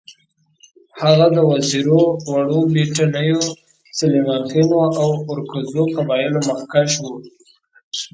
هغه د وزیرو، وړو بېټنیو، سلیمانخېلو او اورکزو قبایلو مخکښ وو.